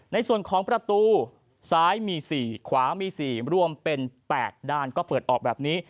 ในส่วนของประตูซ้ายมี๔ขวามี๔รวมเป็น๘ด้านก็เปิดออกแบบนี้